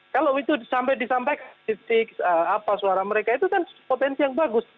kalau itu sampai disampaikan titik suara mereka itu kan potensi yang bagus